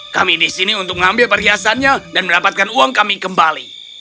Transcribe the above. kami di sini untuk mengambil perhiasannya dan mendapatkan uang kami kembali